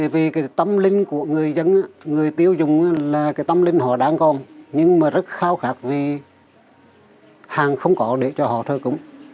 vì tâm linh của người dân người tiêu dùng là tâm linh họ đang còn nhưng mà rất khao khắc vì hàng không có để cho họ thờ cúng